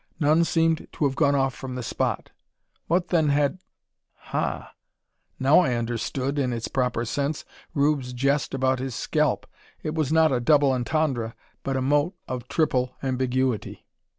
None seemed to have gone off from the spot. What then had ? Ha! I now understood, in its proper sense, Rube's jest about his scalp. It was not a double entendre, but a mot of triple ambiguity.